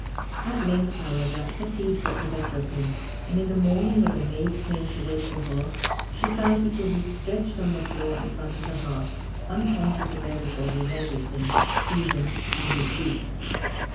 At length, however, fatigue got the better of him, and in the morning when the maid came to wake Aurore, she found Hippolyte stretched on the floor in front of the hearth, unconscious of everybody and everything even of his boots.